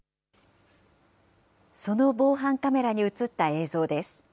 その防犯カメラに写った映像です。